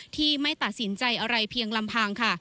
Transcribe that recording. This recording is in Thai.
ที่ไม่ตัดสินใจอะไรเพียงลำพังค่ะ